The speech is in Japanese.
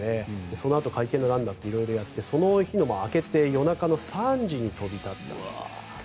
そのあと会見だなんだって色々やってその日の、明けて夜中の３時に飛び立ったと。